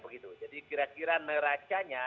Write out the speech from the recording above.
begitu jadi kira kira neracanya